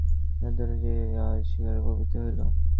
রাজধরের যে আজ শিকারে প্রবৃত্তি হইল?